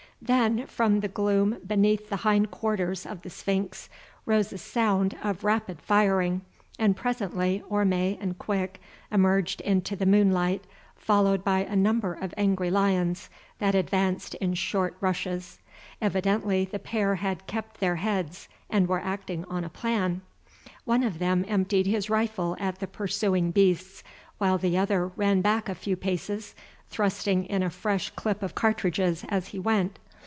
Then from the gloom beneath the hind quarters of the sphinx rose a sound of rapid firing, and presently Orme and Quick emerged into the moonlight, followed by a number of angry lions that advanced in short rushes. Evidently the pair had kept their heads, and were acting on a plan. One of them emptied his rifle at the pursuing beasts, while the other ran back a few paces, thrusting in a fresh clip of cartridges as he went.